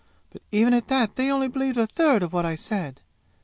But even at that they only believed the third of what I said.